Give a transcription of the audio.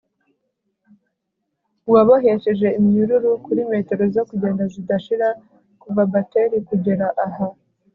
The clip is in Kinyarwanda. uwabohesheje iminyururu kuri metero zo kugenda zidashira kuva bateri kugera ahera